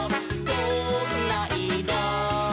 「どんないろ？」